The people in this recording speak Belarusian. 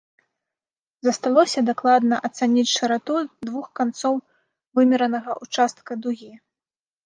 Засталося дакладна ацаніць шырату двух канцоў вымеранага ўчастка дугі.